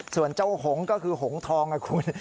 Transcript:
ส่วนเจ้าหงก็คือหงทองนะคุณ